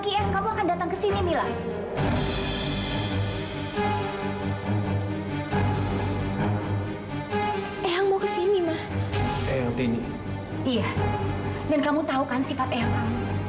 iya dan kamu tahu kan sifat eang kamu